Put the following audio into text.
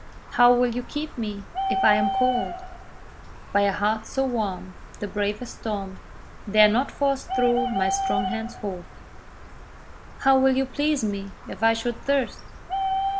How will you keep me, if I am cold? "By a heart so warm, The bravest storm Dare not force through my strong hands' hold." How will you please me, if I should thirst?